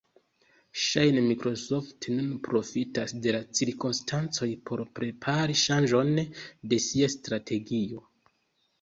Ŝajne Microsoft nun profitas de la cirkonstancoj por prepari ŝanĝon de sia strategio.